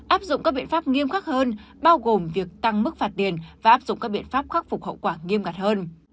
áp dụng các biện pháp nghiêm khắc hơn bao gồm việc tăng mức phạt tiền và áp dụng các biện pháp khắc phục hậu quả nghiêm ngặt hơn